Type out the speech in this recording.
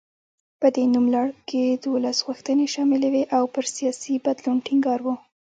په دې نوملړ کې دولس غوښتنې شاملې وې او پر سیاسي بدلون ټینګار و.